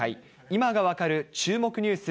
今がわかる注目ニュース